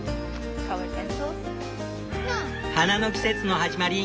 花の季節の始まり。